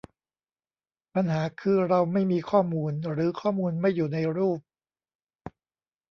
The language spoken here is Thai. ปัญหาคือเราไม่มีข้อมูล หรือข้อมูลไม่อยู่ในรูป